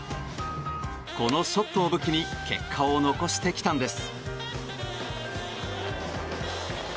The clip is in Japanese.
このショットを武器に結果を残してきたんです。